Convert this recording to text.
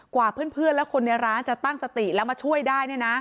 กว่าเพื่อนและคนในร้านจะตั้งสติแล้วมาช่วยได้